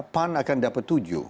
pan akan dapat tujuh